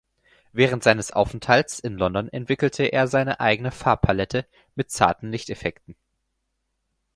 Während seines Aufenthalts in London entwickelte er seine eigene Farbpalette mit zarten Lichteffekten.